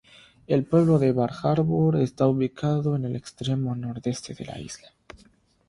El pueblo de Bar Harbor está ubicado en el extremo nordeste de la isla.